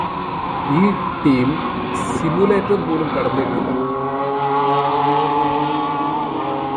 ഈ team simulator പോലും കടന്നിട്ടില്ല